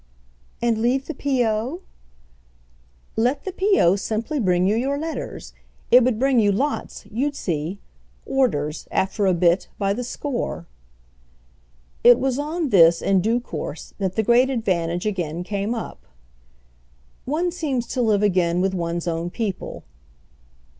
"And leave the P.O.?" "Let the P.O. simply bring you your letters. It would bring you lots, you'd see: orders, after a bit, by the score." It was on this, in due course, that the great advantage again came up: "One seems to live again with one's own people."